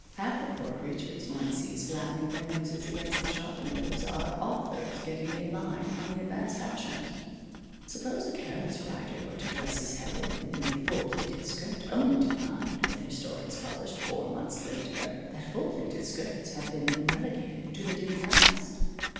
Half the poor creatures one sees flattening their noses against the shop windows are authors getting a line on the advance fashions. Suppose a careless writer were to dress his heroine in a full plaited skirt only to find, when his story is published four months later, that full plaited skirts have been relegated to the dim past!